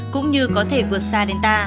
cũng như có thể vượt xa delta